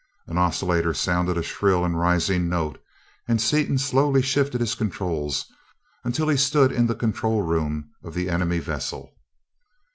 An oscillator sounded a shrill and rising note, and Seaton slowly shifted his controls until he stood in the control room of the enemy vessel.